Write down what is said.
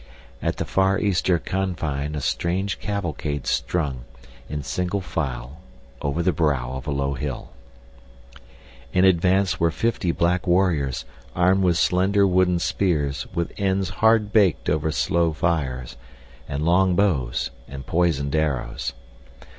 At the far eastern confine a strange cavalcade strung, in single file, over the brow of a low hill. In advance were fifty black warriors armed with slender wooden spears with ends hard baked over slow fires, and long bows and poisoned arrows.